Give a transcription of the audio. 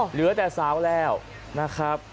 เหลือแต่สาวแล้วนะครับ